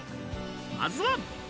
まずは。